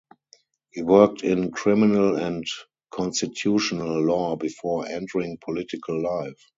He worked in criminal and constitutional law before entering political life.